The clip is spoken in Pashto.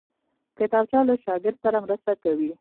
کتابچه له شاګرد سره مرسته کوي